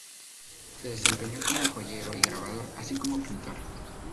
Se desempeñó como joyero y grabador, así como pintor.